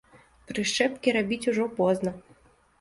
Прышчэпкі рабіць ужо позна.